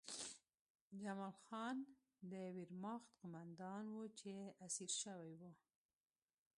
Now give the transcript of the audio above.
جمال خان د ویرماخت قومندان و چې اسیر شوی و